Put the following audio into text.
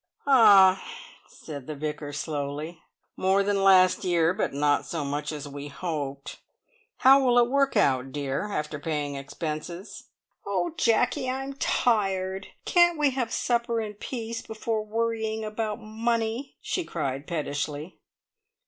"Ah!" said the Vicar slowly. "More than last year, but not so much as we hoped. How will it work out, dear, after paying expenses?" "Oh, Jacky, I'm tired! Can't we have supper in peace, before worrying about money!" she cried pettishly.